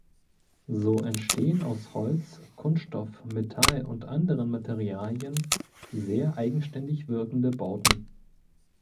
So entstehen aus Holz, Kunststoff, Metall und anderen Materialien sehr eigenständig wirkende Bauten.